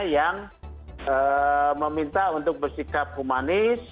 yang meminta untuk bersikap humanis